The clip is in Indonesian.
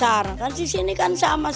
aku pernah minankah saja juga fahd